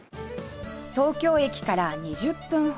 東京駅から２０分ほど